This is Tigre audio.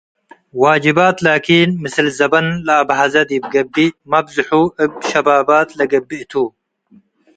ዋጅባት ላኪን ምስል ዘበን ለአብሀዘ ዲብ ገብእ መብዝሑ እብ ሸባባት ለገብእ ቱ ።